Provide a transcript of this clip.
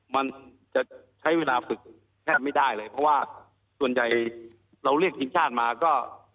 มันจะใช้เวลาฝึกแทบไม่ได้เลยเพราะว่าส่วนใหญ่เราเรียกทีมชาติมาก็